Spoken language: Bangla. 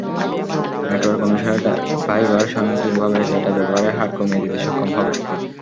নেটওয়ার্ক অনুসারে ভাইবার স্বয়ংক্রিয়ভাবে ডেটা ব্যবহারের হার কমিয়ে দিতে সক্ষম হবে।